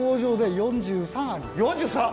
４３！